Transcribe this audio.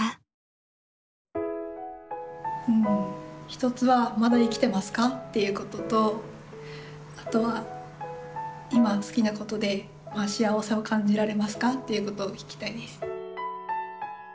ひとつはまだ生きてますかっていうこととあとは今好きなことで幸せを感じられますかっていうことを聞きたいです。